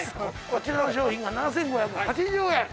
こちらの商品が７５８０円！